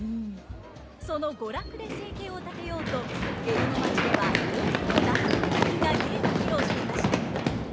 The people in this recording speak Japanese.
その娯楽で生計を立てようと江戸の町では多くの大道芸人が芸を披露していました！